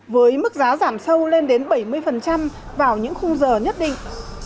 với mức giá giảm sâu lên đến bảy mươi vào những khung giờ nhất định